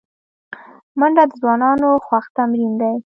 منډه د ځوانانو خوښ تمرین دی